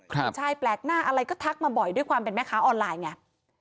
ผู้ชายแปลกหน้าอะไรก็ทักมาบ่อยด้วยความเป็นแม่ค้าออนไลน์ไง